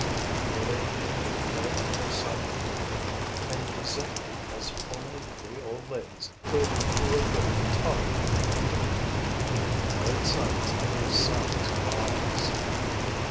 For they envied her her son Hugo, and resented him as only three old ladies could who were living, tolerated and dependent, with their married sons and their sons' wives.